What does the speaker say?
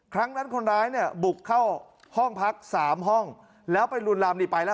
ครั้งนั้นคนร้ายเนี่ยบุกเข้าห้องพักสามห้องแล้วไปลุนลำนี่ไปแล้ว